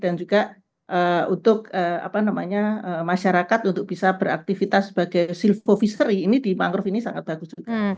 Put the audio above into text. dan juga untuk apa namanya masyarakat untuk bisa beraktivitas sebagai silvoviseri ini di mangrove ini sangat bagus juga